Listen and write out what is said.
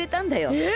えっ！？